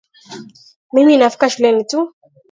Mimi nafika shuleni tu